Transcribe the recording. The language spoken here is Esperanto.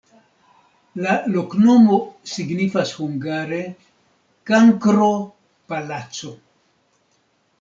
La loknomo signifas hungare: kankro-palaco.